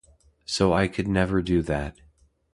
So I could never do that.